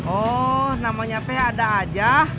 oh namanya ada aja